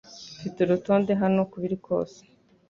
Mfite urutonde hano uko biri kose